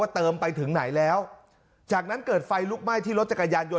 เติมไปถึงไหนแล้วจากนั้นเกิดไฟลุกไหม้ที่รถจักรยานยน